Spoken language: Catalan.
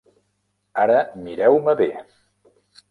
Ara mireu-me bé!